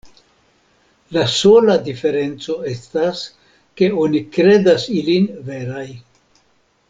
La sola diferenco estas, ke oni kredas ilin veraj.